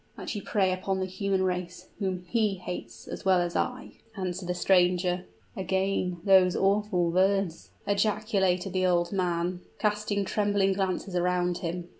"That you prey upon the human race, whom he hates as well as I," answered the stranger. "Again these awful words!" ejaculated the old man, casting trembling glances around him.